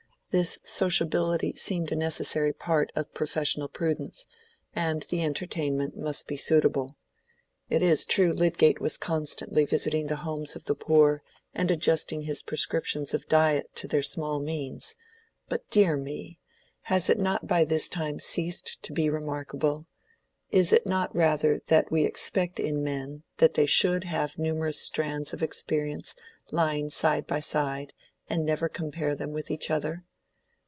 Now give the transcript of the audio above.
This sociability seemed a necessary part of professional prudence, and the entertainment must be suitable. It is true Lydgate was constantly visiting the homes of the poor and adjusting his prescriptions of diet to their small means; but, dear me! has it not by this time ceased to be remarkable—is it not rather that we expect in men, that they should have numerous strands of experience lying side by side and never compare them with each other?